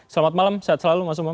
selamat malam sehat selalu mas umam